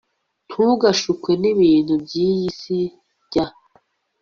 ntugashukwe n'ibintu by'iyi si, jya